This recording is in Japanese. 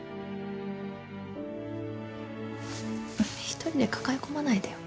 一人で抱え込まないでよ。